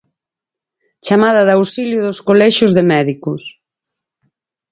Chamada de auxilio dos colexios de médicos.